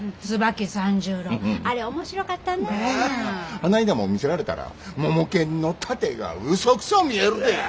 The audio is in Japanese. あないなもん見せられたらモモケンの殺陣がうそくそう見えるで。